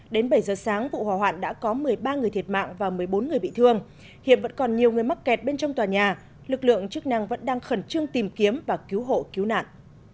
đến bảy giờ sáng vụ hỏa hoạn đã có một mươi ba người thiệt mạng và một mươi bốn người bị thương hiện vẫn còn nhiều người mắc kẹt bên trong tòa nhà lực lượng chức năng vẫn đang khẩn trương tìm kiếm và cứu hộ cứu nạn